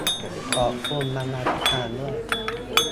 ขอบคุณบรรณาธิการด้วย